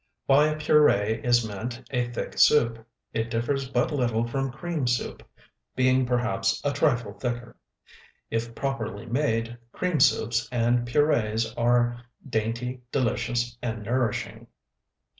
By a puree is meant a thick soup; it differs but little from cream soup, being perhaps a trifle thicker. If properly made, cream soups and purees are dainty, delicious, and nourishing.